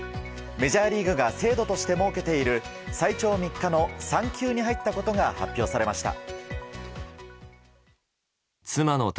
メジャーリーグが制度として設けている最長３日の産休に入ったことが発表されました。